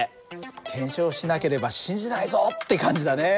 検証しなければ信じないぞって感じだね。